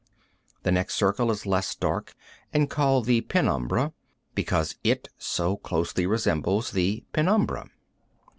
The next circle is less dark, and called the penumbra, because it so closely resembles the penumbra.